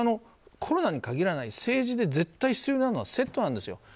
コロナに限らない政治に絶対必要なのはセット論なんですよ。